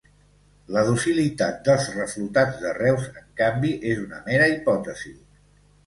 La docilitat dels reflotats de Reus, en canvi, és una mera hipòtesi.